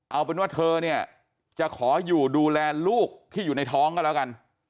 เอาเป็นว่าเธอเนี่ยจะขออยู่ดูแลลูกที่อยู่ในท้องก็แล้วกัน